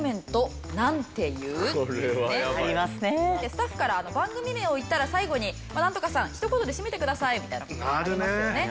スタッフから番組名を言ったら最後に「なんとかさん一言で締めてください」みたいな事ってありますよね。